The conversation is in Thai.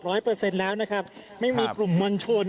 ร้อยเปอร์เซ็นต์แล้วนะครับครับไม่มีกลุ่มบรรชน